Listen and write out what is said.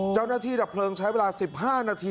เจ้าหน้าที่ดับเพลิงใช้เวลา๑๕นาที